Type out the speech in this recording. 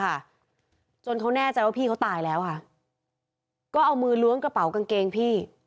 ค่ะจนเขาแน่ใจว่าพี่เขาตายแล้วค่ะก็เอามือล้วงกระเป๋ากางเกงพี่